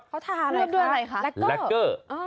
เขาทาอะไรคะ